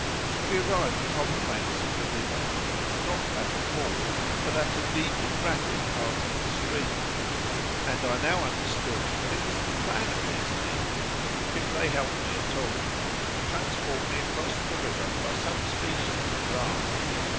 We arrived upon the banks of the river—not at a ford, but at a deep and rapid part of the stream, and I now understood that it was the plan of these men, if they helped me at all, to transport me across the river by some species of raft.